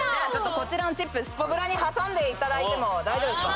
こちらのチップスポブラに挟んでいただいても大丈夫すか？